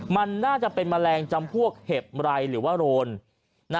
มันน่าจะเป็นแมลงจำพวกเห็บไรหรือว่าโรน